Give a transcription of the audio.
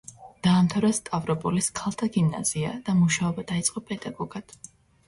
დაამთავრა სტავროპოლის ქალთა გიმნაზია და მუშაობა დაიწყო პედაგოგად.